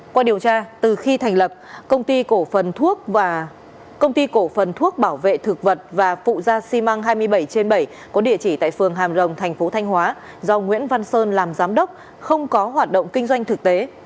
qua điều tra từ khi thành lập công ty cổ phần thuốc bảo vệ thực vật và phụ gia xi măng hai mươi bảy trên bảy có địa chỉ tại phường hàm rồng thành phố thanh hóa do nguyễn văn sơn làm giám đốc không có hoạt động kinh doanh thực tế